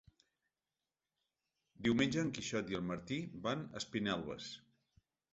Diumenge en Quixot i en Martí van a Espinelves.